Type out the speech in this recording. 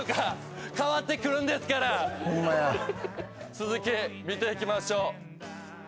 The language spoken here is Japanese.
続き見ていきましょう。